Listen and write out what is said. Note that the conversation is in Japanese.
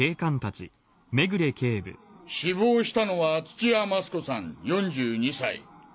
死亡したのは土屋益子さん４２歳。